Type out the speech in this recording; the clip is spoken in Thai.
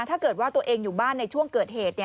ถ้าเกิดว่าตัวเองอยู่บ้านในช่วงเกิดเหตุ